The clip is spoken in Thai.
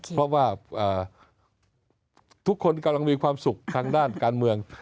เพราะว่าทุกคนกำลังมีความสุขทางด้านการเมือง